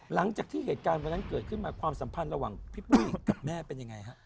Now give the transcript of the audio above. หลังจากที่เหตุการณ์วันนั้นเกิดขึ้นมาความสัมพันธ์ระหว่างพี่ปุ้ยกับแม่เป็นยังไงฮะ